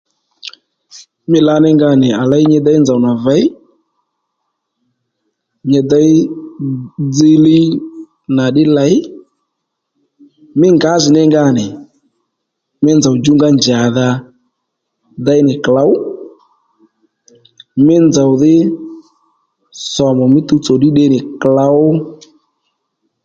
Mí lǎní nga nì à léy nyi déy nzòw nà věy nyi déy dziliy nà ddí lèy mí ngǎjìní nga nì mí nzòw djú nga njà dhà déy nì klǒw mí nzòw dhí sòmù mí tuwtso ddí tde nì klǒw